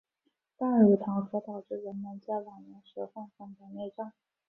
半乳糖可导致人们在老年时患上白内障。